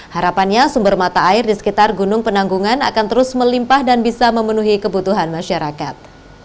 harapannya sumber mata air di sekitar gunung penanggungan akan terus melimpah dan bisa memenuhi kebutuhan masyarakat